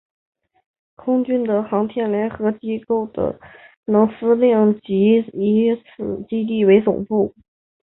美国空军的航天联合机能构成司令部即以此基地为总部。